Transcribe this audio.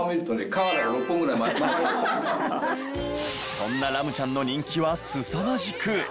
そんなラムちゃんの人気はすさまじく。